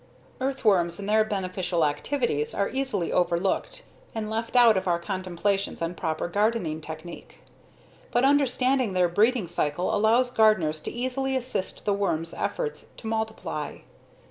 Earthworms and their beneficial activities are easily overlooked and left out of our contemplations on proper gardening technique. But understanding their breeding cycle allows gardeners to easily assist the worms efforts to multiply.